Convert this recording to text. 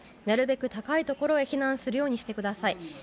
なるべく高いところへ避難するようにしてください。